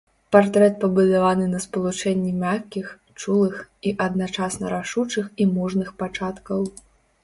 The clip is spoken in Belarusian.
Партрэт пабудаваны на спалучэнні мяккіх, чулых і адначасна рашучых і мужных пачаткаў.